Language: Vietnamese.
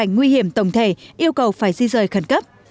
cảnh nguy hiểm tổng thể yêu cầu phải di rời khẩn cấp